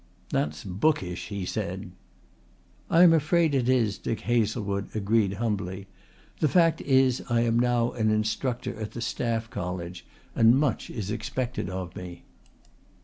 "That's bookish," he said. "I am afraid it is," Dick Hazlewood agreed humbly. "The fact is I am now an Instructor at the Staff College and much is expected of me."